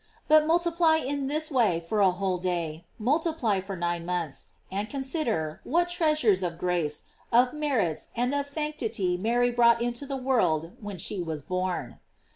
But multiply in this way for a whole day, multiply for nine months, and consider, what treasures of grace, of merits, and of sanctity Mary brought into the world when she was born.